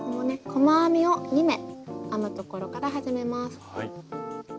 細編みを２目編むところから始めます。